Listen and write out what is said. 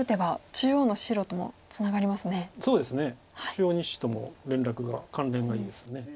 中央２子とも連絡が関連がいいです。